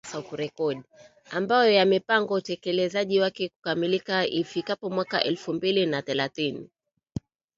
ambayo yamepangwa utekelezaji wake kukamilika ifikapo mwaka elfu mbili na thelathini